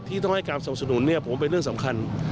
ที่ต้องให้การสนุนผมว่าเป็นเรื่องสำคัญ